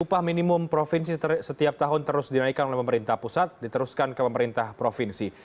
upah minimum provinsi setiap tahun terus dinaikkan oleh pemerintah pusat diteruskan ke pemerintah provinsi